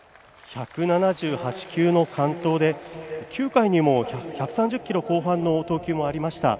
１７８球の完投で９回にも１３０キロ後半の投球もありました。